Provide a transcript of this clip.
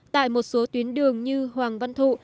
tại một số tuyến đường như hoàng văn thụ